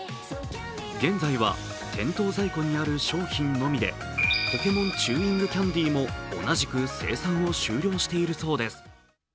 現在は店頭在庫にある商品のみでポケモンチューイングキャンディも同じく生産を終了しているそうです。